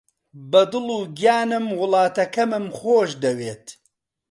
بە دڵ و گیانم وڵاتەکەمم خۆش دەوێت.